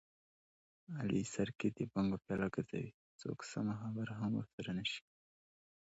علي سر کې د بنګو پیاله ګرځوي، څوک سمه خبره هم ورسره نشي کولی.